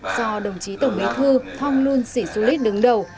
do đồng chí tổng bí thư thong lun sĩ sulit đứng đầu